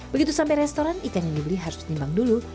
begitu sampai restoran ikan yang dibeli harus ditimbang dulu